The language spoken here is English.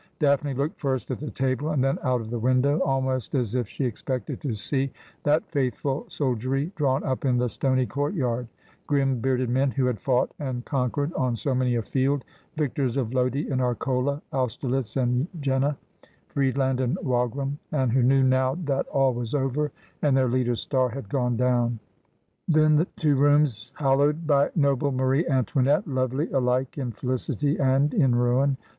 Daphne looked first at the table and then out of thi window almost as if she expected to see that faithful soldierv drawn Tin m the stony courtyard— grim bearded men who had foueht and conquered on so many a field, victors of Lodi and Ar 1 Austerlitz and Jena, Friedland andWagram, and who knew ^ that all was over and their leader's star had gone down Then to rooms hallowed by noble Marie Antoinette 1 1 alike in felicity and in ruin.